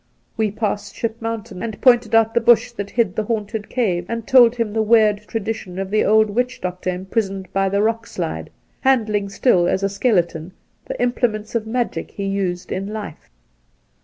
We passed Ship Mountain, and pointed out the bush that hid the haunted cave, and told him the weird tradition of the old witch doctor imprisoned by the rock slide, handling ^till as a skeleton the implements of magic he used in life.